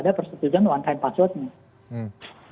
karena harus ada persetujuan one time passwordnya